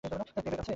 Payback, আছো?